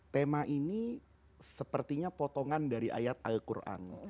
tema ini sepertinya potongan dari ayat al quran